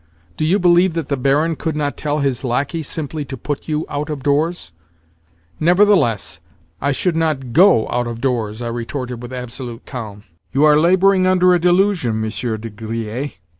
Do you believe that the Baron could not tell his lacquey simply to put you out of doors?" "Nevertheless I should not GO out of doors," I retorted with absolute calm. "You are labouring under a delusion, Monsieur de Griers.